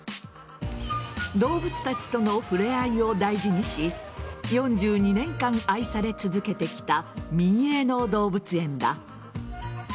動物たちとの触れ合いを大事にし４２年間愛され続けてきた民営の動物園だ。